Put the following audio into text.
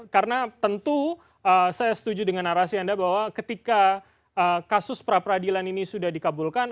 karena tentu saya setuju dengan narasi anda bahwa ketika kasus pra peradilan ini sudah dikabulkan